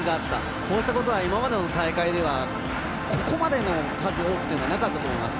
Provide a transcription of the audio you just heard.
こうしたことは今までの大会ではここまでの数多くというのはなかったと思います。